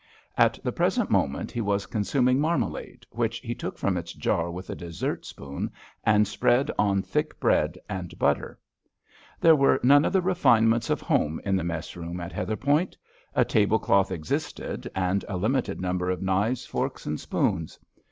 At the present moment he was consuming marmalade, which he took from its jar with a dessert spoon and spread on thick bread and butter. There were none of the refinements of home in the mess room at Heatherpoint. A tablecloth existed, and a limited number of knives, forks, and spoons.